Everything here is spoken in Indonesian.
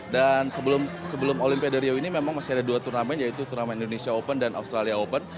sebelum olimpiade rio ini memang masih ada dua turnamen yaitu turnamen indonesia open dan australia open